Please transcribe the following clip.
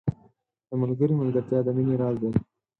• د ملګري ملګرتیا د مینې راز دی.